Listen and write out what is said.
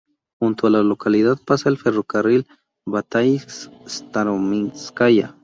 Junto a la localidad pasa el ferrocarril Bataisk-Starominskaya.